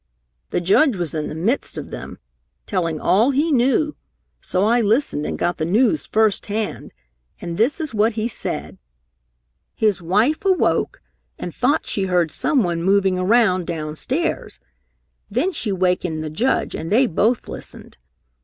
The Judge was in the midst of them, telling all he knew, so I listened and got the news first hand. And this is what he said. "His wife awoke and thought she heard someone moving around downstairs. Then she wakened the Judge and they both listened.